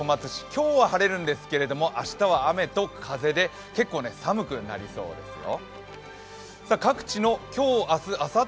今日は晴れるんですけど明日は雨と風で結構寒くなりそうですよ。